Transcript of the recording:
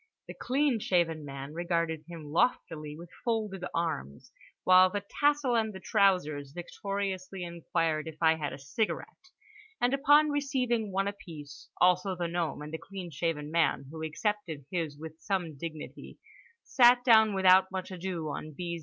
The clean shaven man regarded him loftily with folded arms, while the tassel and the trousers victoriously inquired if I had a cigarette?—and upon receiving one apiece (also the gnome, and the clean shaven man, who accepted his with some dignity) sat down without much ado on B.